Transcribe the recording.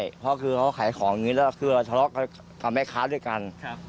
ใช่เพราะคือเขาขายของอย่างนี้แล้วคือเราทะเลาะกับแม่ค้าด้วยกัน